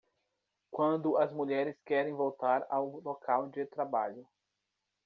Quando as mulheres querem voltar ao local de trabalho